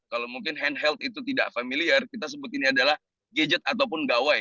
kalau mungkin hand health itu tidak familiar kita sebut ini adalah gadget ataupun gawai